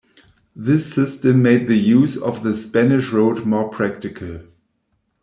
This system made the use of the Spanish Road more practical.